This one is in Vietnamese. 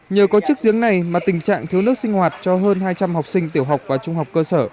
nhờ có chiếc giếng này mà tình trạng thiếu nước sinh hoạt cho hơn hai trăm linh học sinh tiểu học và trung học cơ sở